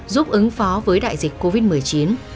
giúp ứng phó với đại dịch covid một mươi chín